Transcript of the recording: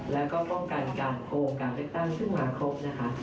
แล้วก็ป้องกันการโครงการเลือกตั้งขึ้นมาครบนะคะ